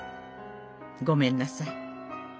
ごめんなさい！